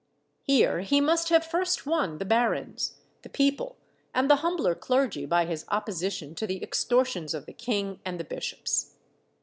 Here he must have first won the barons, the people, and the humbler clergy by his opposition to the extortions of the king and the bishops.